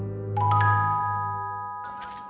aku akan segera memulai pelajaranku